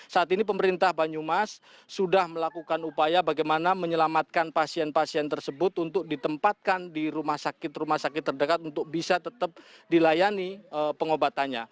saat ini pemerintah banyumas sudah melakukan upaya bagaimana menyelamatkan pasien pasien tersebut untuk ditempatkan di rumah sakit rumah sakit terdekat untuk bisa tetap dilayani pengobatannya